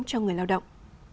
cho người lao động